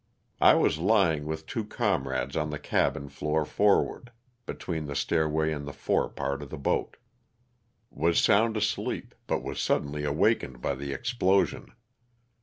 I was l3'ing with two comrades on the cabin floor forward, between the stairway and the fore part of the boat. Was sound asleep, but was suddenly awakened by the explosion.